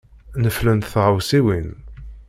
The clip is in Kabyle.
Neflent tɣawsiwin.